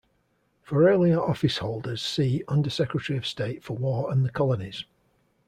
For earlier office-holders see Under-Secretary of State for War and the Colonies.